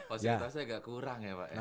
fasilitasnya agak kurang ya pak ya